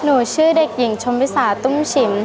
หนูชื่อเด็กหญิงชมวิสาตุ้มฉิม